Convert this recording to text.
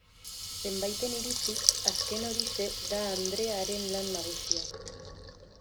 Zenbaiten iritziz, azken horixe da Andrearen lan nagusia.